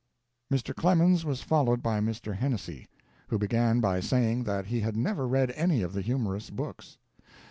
Mr. Clemens was followed by Mr. Hennessey, who began by saying that he had never read any of the humorist's books.